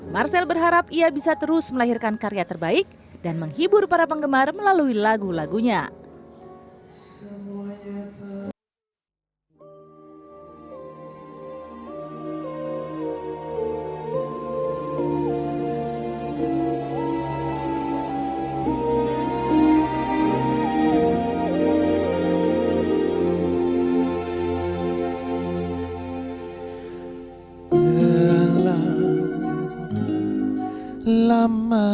marcel berharap ia bisa terus melahirkan karya terbaik dan menghibur para penggemar melalui lagu lagunya